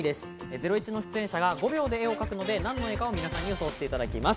『ゼロイチ』の出演者が５秒で絵を描くので、何の絵か皆さんに予想していただきます。